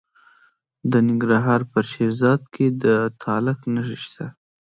د ننګرهار په شیرزاد کې د تالک نښې شته.